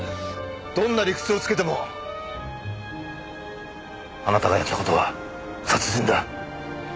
どんな理屈をつけてもあなたがやった事は殺人だ。